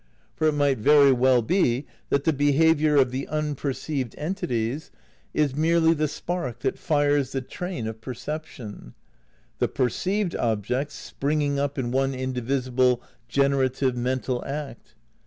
For it might very weU be that the behaviour of the unperceived entities is merely the spark that fires the train of perception ; the perceived objects springing up in one indivisible gene rative mental act.